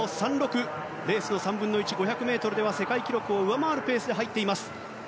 レースの３分の１５００ｍでは世界記録を上回るペースで入っています。